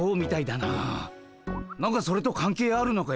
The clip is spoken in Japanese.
なんかそれとかん係あるのかよ。